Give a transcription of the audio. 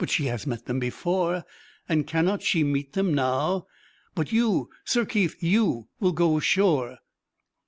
She has met them before; and cannot she meet them now? But you, Sir Keith, you will go ashore!"